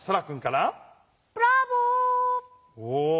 お。